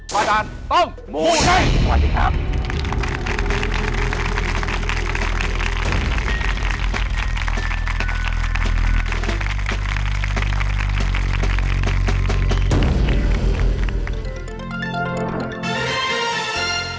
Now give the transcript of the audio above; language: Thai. ประดาษต้องมูลให้ขอบคุณครับ